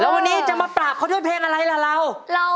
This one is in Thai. แล้ววันนี้จะมาปรากข้อโทษเพลงอะไรละเรา